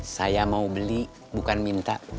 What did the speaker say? saya mau beli bukan minta